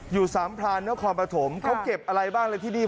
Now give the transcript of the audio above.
สามพรานนครปฐมเขาเก็บอะไรบ้างเลยที่นี่